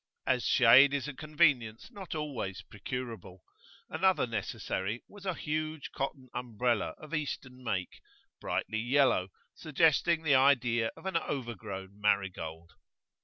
[FN#12] As shade is a convenience not always procurable, another necessary was a huge cotton umbrella of Eastern make, brightly yellow, suggesting the idea of an overgrown marigold.